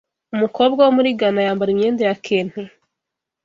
umukobwa wo muri Gana yambara imyenda ya kente